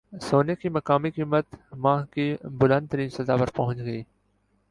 سونے کی مقامی قیمت ماہ کی بلند ترین سطح پر پہنچ گئی